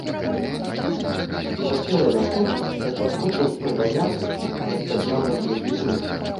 Не паспела яна скончыць, як падскочыў прыганяты, як падняў над ёй бізун.